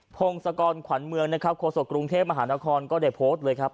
พงศกรขวัญเมืองนะครับโฆษกรุงเทพมหานครก็ได้โพสต์เลยครับ